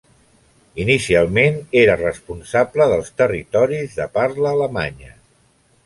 Inicialment era responsable dels territoris de parla alemanya.